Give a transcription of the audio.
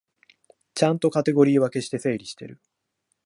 ちゃんとカテゴリー分けして整理してる